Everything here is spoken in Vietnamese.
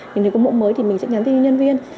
nếu có mẫu mới thì mình sẽ nhắn tin đến nhân viên